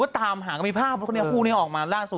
ก็ตามหาเค้ามีภาพเพราะว่าคนนี้พูดออกมาล่าสุด